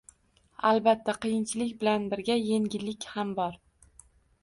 Albatta, qiyinchilik bilan birga yengillik ham bor.